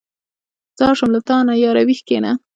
ځار شم له تانه ياره ویښ کېنه.